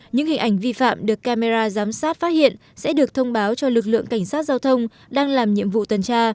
những hình ảnh vi phạm được camera giám sát phát hiện sẽ được thông báo cho lực lượng cảnh sát giao thông đang làm nhiệm vụ tuần tra